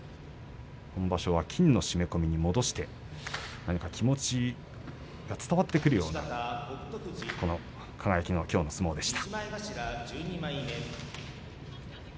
今場所は金の締め込みに戻して気持ちが伝わってくるような輝のきょうの相撲でした。